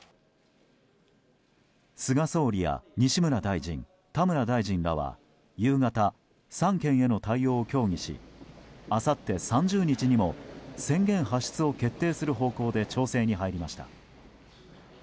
菅総理や西村大臣田村大臣らは夕方、３県への対応を協議しあさって３０日にも宣言発出を決定する方向で調整に入りました。